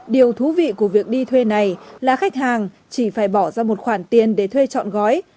điều thú vị của việc đi thuê này là khách hàng chỉ phải bỏ ra một khoản tiền để thuê trọn gói